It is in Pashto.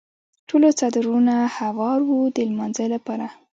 ټولو څادرونه هوار وو د لمانځه لپاره.